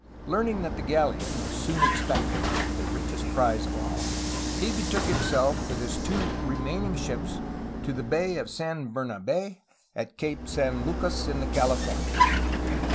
Learning that the galleon was soon expected — the richest prize of all! — ^he betook himself with his two remaining ships to the Bay of San Bemabe at Cape San Lucas in the Californias.